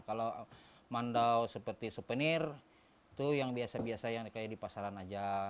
kalau mandau seperti souvenir itu yang biasa biasa yang kayak di pasaran aja